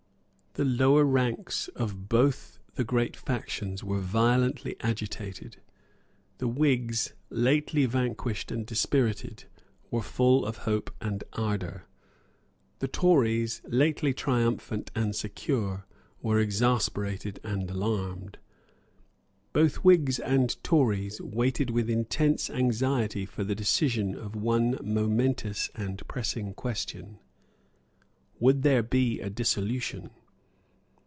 The lower ranks of both the great factions were violently agitated. The Whigs, lately vanquished and dispirited, were full of hope and ardour. The Tories, lately triumphant and secure, were exasperated and alarmed. Both Whigs and Tories waited with intense anxiety for the decision of one momentous and pressing question. Would there be a dissolution?